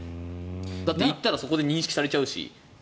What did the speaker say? だって行ったらそこで認識されちゃうし。